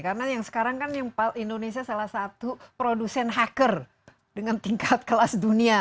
karena yang sekarang kan indonesia salah satu produsen hacker dengan tingkat kelas dunia